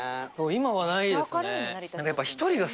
今はないですね。